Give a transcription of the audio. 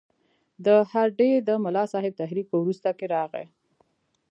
د هډې د ملاصاحب تحریک په وروسته کې راغی.